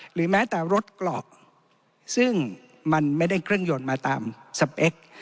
หรือแม้แต่รถกรอกซึ่งมันไม่ได้เครื่องยนต์มาตามสเปค